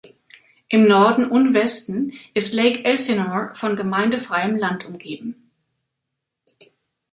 Im Norden und Westen ist Lake Elsinore von gemeindefreiem Land umgeben.